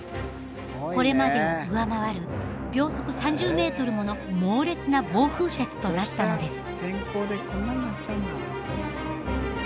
これまでを上回る秒速３０メートルもの猛烈な暴風雪となったのです。